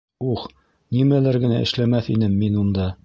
Ух, нимәләр генә эшләмәҫ инем мин унда!..